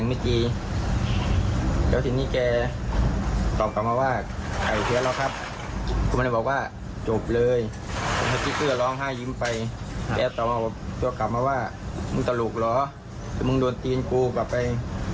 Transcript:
ผมก็เลยบอกว่าจบเลยสติ๊กเกอร์ร้องห้ายิ้มไปแกต่อมาว่าเขากลับมาว่ามึงตลกเหรอมึงโดนตีนกูกลับไป